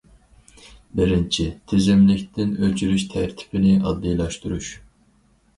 بىرىنچى، تىزىملىكتىن ئۆچۈرۈش تەرتىپىنى ئاددىيلاشتۇرۇش.